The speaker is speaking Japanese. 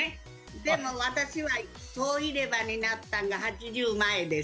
でも、私は総入れ歯になったのが８０歳前です。